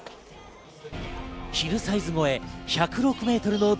１０６メートル